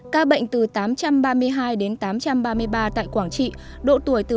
ca bệnh từ tám trăm ba mươi hai đến tám trăm ba mươi ba tại quảng trị độ tuổi từ hai mươi chín